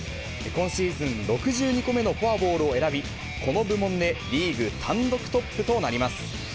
今シーズン６２個目のフォアボールを選び、この部門でリーグ単独トップとなります。